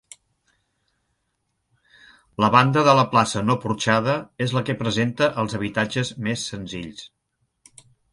La banda de la plaça no porxada és la que presenta els habitatges més senzills.